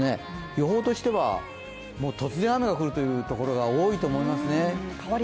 予報としては突然雨が降るというところが多いと思いますね。